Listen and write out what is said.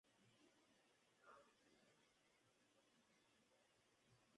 Niclas comenzó su carrera en el Bayer Leverkusen de Alemania.